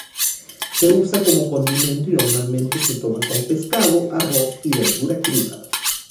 Se usa como condimento y normalmente se toma con pescado, arroz y verdura cruda.